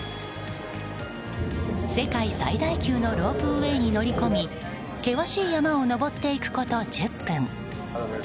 世界最大級のロープウェーに乗り込み険しい山を登っていくこと１０分。